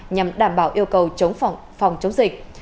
nhằm đảm bảo yêu cầu phòng chống dịch